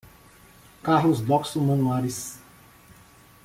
Carlos Doximo Manuaris